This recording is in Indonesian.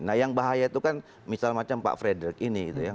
nah yang bahaya itu kan misal macam pak frederick ini gitu ya